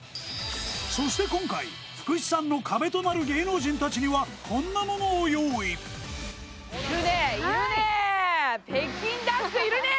そして今回福士さんの壁となる芸能人達にはこんなモノを用意いるねいるね